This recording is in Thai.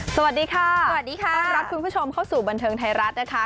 สวัสดีค่ะสวัสดีค่ะต้อนรับคุณผู้ชมเข้าสู่บันเทิงไทยรัฐนะคะ